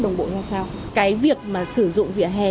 đồng bộ ra sao cái việc mà sử dụng vỉa hè